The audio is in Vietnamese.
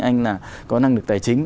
anh là có năng lực tài chính